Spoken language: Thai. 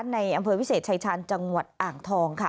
ในอำเภอวิเศษชายชาญจังหวัดอ่างทองค่ะ